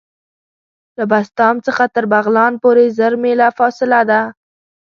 له بسطام څخه تر بغلان پوري زر میله فاصله ده.